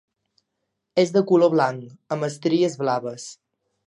És de color blanc, amb estries blaves.